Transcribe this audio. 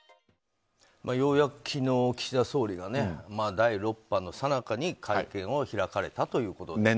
ようやく昨日岸田総理が第６波のさなかに会見を開かれたということで。